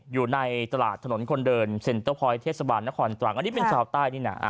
อยู่ในตลาดถนนคนเดินเทศบาลนครตรังอันนี้เป็นชาวใต้นี่นะ